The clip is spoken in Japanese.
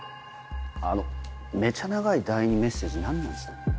あのめちゃ長いダイイングメッセージ何なんですかね？